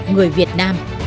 người việt nam